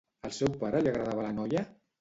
Al seu pare li agradava la noia?